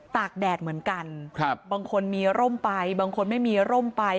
กแดดเหมือนกันบางคนมีร่มไปบางคนไม่มีร่มไป